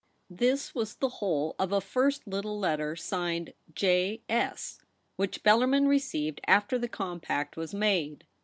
This was the whole of a first little letter signed ' J. S.' which Bellarmin received after the compact was made.